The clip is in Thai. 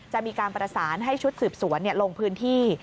จะมีการประสานให้ชุดสืบสวนลงพื้นที่